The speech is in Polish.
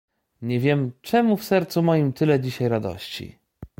Nie wiem, czemu w sercu moim tyle dzisiaj radości?